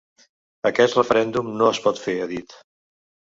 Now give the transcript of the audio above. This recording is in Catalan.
Aquest referèndum no es pot fer, ha dit.